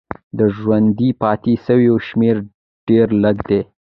د ژوندي پاتې سویو شمېر ډېر لږ دی.